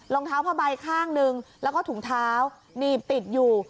รองเท้าผ้าใบข้างหนึ่งแล้วก็ถุงเท้าหนีบติดอยู่